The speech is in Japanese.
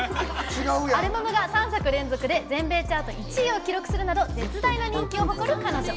アルバムが３作連続で全米チャート１位を記録するなど絶大な人気を誇る彼女。